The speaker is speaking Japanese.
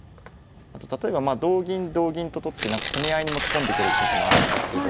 あと例えば同銀同銀と取って攻め合いに持ち込んでくるときもあるんですけど。